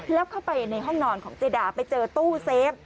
แล้วเข้าไปในห้องนอนของเจดาไปเจอตู้เซฟ